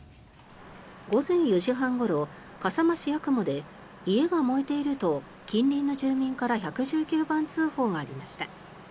午前４時半ごろ笠間市八雲で家が燃えていると近隣の住民から１１９番通報がありました。